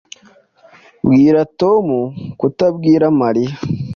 Bwira Tom kutabwira Mariya